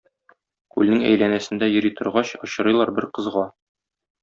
Күлнең әйләнәсендә йөри торгач, очрыйлар бер кызга.